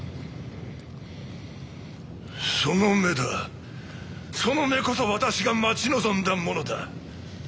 その目だその目こそ私が待ち望んだものだ！